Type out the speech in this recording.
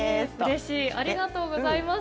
ありがとうございます。